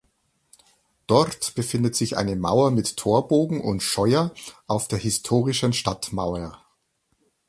Dort befindet sich eine Mauer mit Torbogen und Scheuer auf der historischen Stadtmauer.